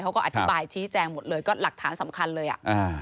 เขาก็อธิบายชี้แจงหมดเลยก็หลักฐานสำคัญเลยอ่ะอ่า